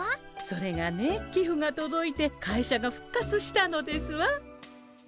それがねきふがとどいて会社が復活したのですわ。